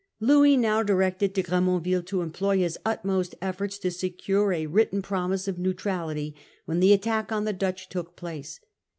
Louis now directed De Gremonville to employ his utmost efforts to secure a written promise of neutrality when the attack on the Dutch took place.